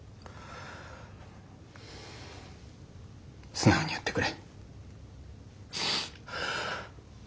素直に言ってくれ。